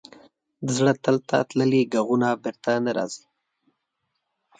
د زړه تل ته تللي ږغونه بېرته نه راځي.